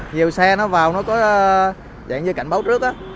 nhiều xe nó vào nó có dạng như cảnh báo trước á